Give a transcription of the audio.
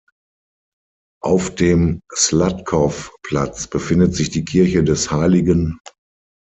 Auf dem Sladkov-Platz befindet sich die Kirche des Hl.